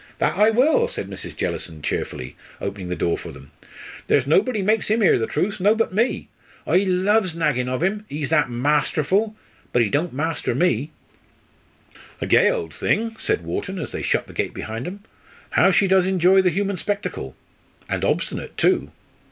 "That I will," said Mrs. Jellison, cheerfully, opening the door for them. "There's nobody makes 'im 'ear the trëuth, nobbut me. I loves naggin' ov 'im, ee's that masterful. But ee don't master me!" "A gay old thing," said Wharton as they shut the gate behind them. "How she does enjoy the human spectacle. And obstinate too.